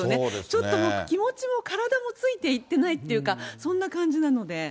ちょっともう気持ちも体もついていってないっていうか、そんな感じなので。